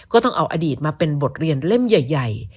ต้องเอาอดีตมาเป็นบทเรียนเล่มใหญ่